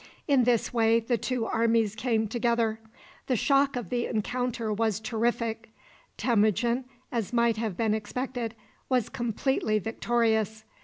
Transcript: In this way the two armies came together. The shock of the encounter was terrific. Temujin, as might have been expected, was completely victorious.